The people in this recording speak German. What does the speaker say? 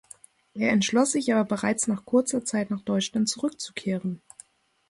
Er entschloss sich aber bereits nach kurzer Zeit nach Deutschland zurückzukehren.